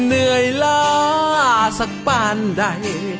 เหนื่อยล่าสักบ้านใด